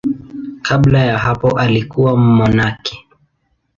Kabla ya hapo alikuwa mmonaki.